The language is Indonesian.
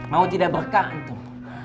mau tidak berkah antum